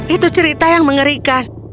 itu cerita yang mengerikan